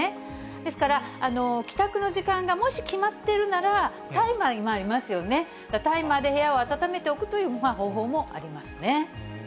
ですから、帰宅の時間がもし決まっているなら、タイマーありますよね、タイマーで部屋を暖めておくという方法もありますね。